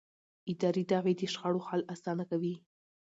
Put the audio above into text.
اداري دعوې د شخړو حل اسانه کوي.